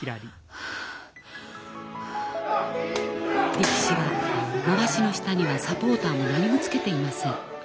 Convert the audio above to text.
力士はまわしの下にはサポーターも何もつけていません。